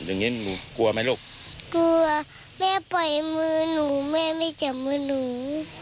แม่ปล่อยมือหนูแม่ไม่จับมือหนู